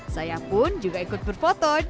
saya pun juga ikut berfoto